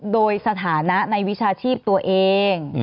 โดยสถานะในวิชาชีพตัวเอง